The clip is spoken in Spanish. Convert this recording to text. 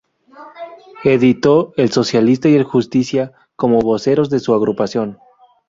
Editó "El Socialista" y "Justicia", como voceros de su agrupación.